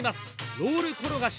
ロール転がし